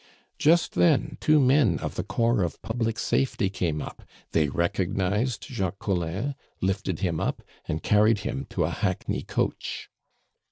Just then two men of the corps of Public Safety came up; they recognized Jacques Collin, lifted him up, and carried him to a hackney coach.